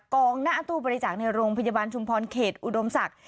กองหน้าตู้บริจาคในโรงพยาบาลชุมพรเขตอุดมศักดิ์